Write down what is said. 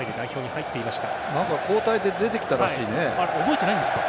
交代で出てきたらしいね。